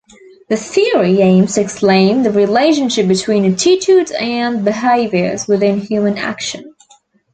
The theory aims to explain the relationship between attitudes and behaviors within human action.